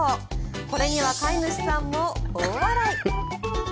これには飼い主さんも大笑い。